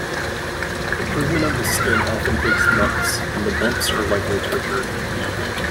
Improvement of the skin often takes months and the bumps are likely to return.